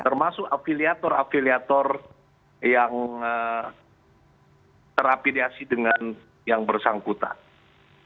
termasuk afiliator afiliator yang terafiliasi dengan yang bersangkutan